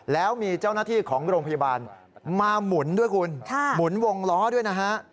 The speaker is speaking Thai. แล้วมีเจ้าหน้าที่ของโรงพยาบาลมาหมุนด้วยคุณหมุนวงล้อด้วยนะฮะ